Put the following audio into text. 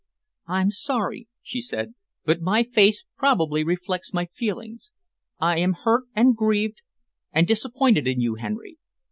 "I'm sorry," she said, "but my face probably reflects my feelings. I am hurt and grieved and disappointed in you, Henry."